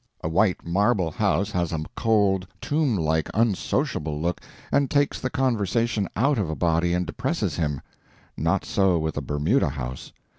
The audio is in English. A white marble house has a cold, tomb like, unsociable look, and takes the conversation out of a body and depresses him. Not so with a Bermuda house.